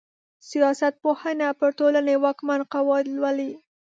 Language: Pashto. سياست پوهنه پر ټولني واکمن قواعد لولي.